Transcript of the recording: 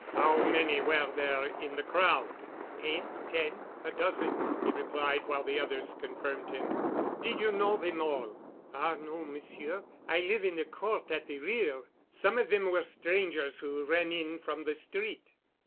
"How many were there in the crowd?" "Eight—ten—a dozen," he replied, while the others confirmed him. "Did you know them all?" "Ah no, Monsieur. I live in the Court at the rear. Some of them were strangers who ran in from the street."